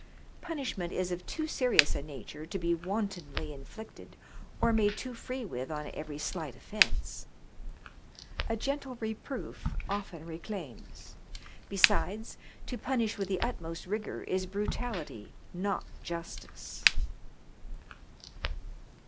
Punishment is of too serious a nature to be wantonly inflicted or made too free with on every slight offence. A gentle reproof often reclaims ; besides, to punish with the utmost rigour is brutality, not justice."